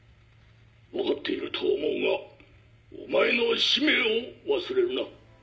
分かっていると思うがお前の使命を忘れるな。